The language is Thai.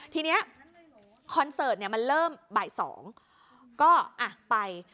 ทีนี้คอนเสิร์ตมันเริ่มบ่าย๒ก็ไป